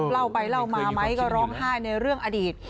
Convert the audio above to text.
เล่าไปเล่ามาไหมก็ร้องไห้ในเรื่องอดีต